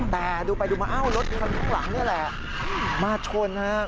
แต่ดูไปดูมารถมีกล้องหลังนี่แหละมาชวนนะครับ